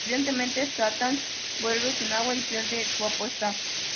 Evidentemente Satán vuelve sin agua y pierde su apuesta.